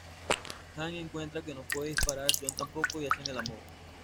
Jane encuentra que no puede disparar John tampoco, y hacen el amor.